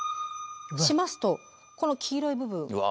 しますとこの黄色い部分。わ。